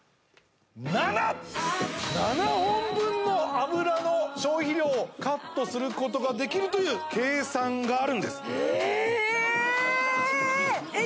７！７本分の油の消費量をカットすることができるという計算があるんですええっ！？